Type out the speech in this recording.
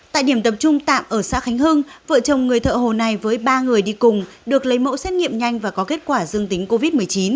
tại điểm tập trung tạm ở xã khánh hưng vợ chồng người thợ hồ này với ba người đi cùng được lấy mẫu xét nghiệm nhanh và có kết quả dương tính covid một mươi chín